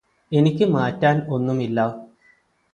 എനിക്ക് മാറ്റാൻ ഒന്നുമില്ലാ